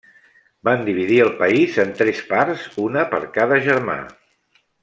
Van dividir el país en tres parts, una per cada germà.